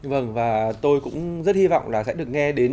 vâng và tôi cũng rất hy vọng là sẽ được nghe đến